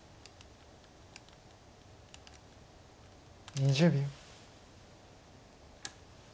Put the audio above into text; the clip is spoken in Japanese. ２０秒。